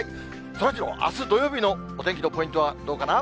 そらジロー、あす土曜日のお天気のポイントはどうかな？